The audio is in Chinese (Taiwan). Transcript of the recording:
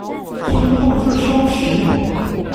聽到這消息